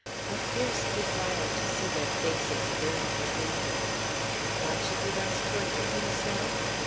A fierce desire to see their faces burned within him. Why should he thus torture himself?